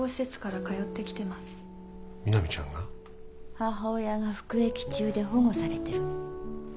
母親が服役中で保護されてる。